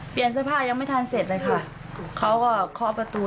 เสื้อผ้ายังไม่ทันเสร็จเลยค่ะเขาก็เคาะประตู